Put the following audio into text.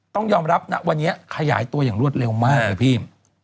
ต้องยอมรับนะวันนี้ขยายตัวอย่างรวดเร็วมากเลยพี่